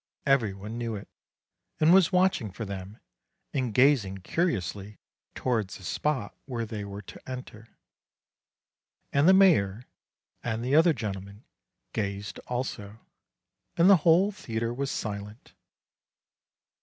Every one knew it, and was watching for them and gazing curiously towards the spot where they were THE DISTRIBUTION OF PRIZES 181 to enter ; and the mayor and the other gentlemen gazed also, and the whole theatre was silent.